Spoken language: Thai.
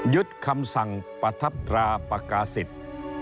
ยึดคำสั่งประทับทราปกาศิษย์